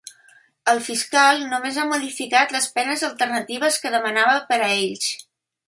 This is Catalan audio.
El fiscal només ha modificat les penes alternatives que demanava per a ells.